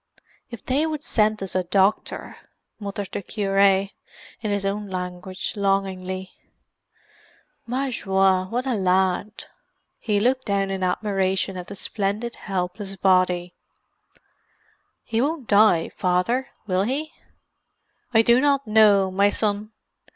"If they would send us a doctor!" muttered the cure, in his own language, longingly. "Ma joi, what a lad!" He looked down in admiration at the splendid helpless body. "He won't die, Father, will he?" "I do not know, my son.